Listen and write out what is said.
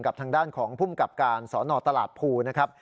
ทางด้านของภูมิกับการสนตลาดภูนะครับ